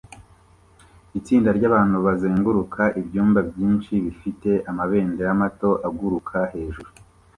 Itsinda ryabantu bazenguruka ibyumba byinshi bifite amabendera mato aguruka hejuru